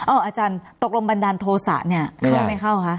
อาจารย์ตกลงบันดาลโทษะเนี่ยเข้าไม่เข้าคะ